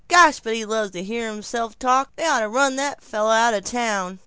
Gosh, but he loves to hear himself talk! They ought to run that fellow out of town!"